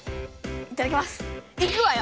いただきます。